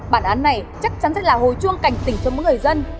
bản án này chắc chắn sẽ là hồi chuông cảnh tỉnh cho mỗi người dân